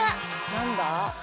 何だ？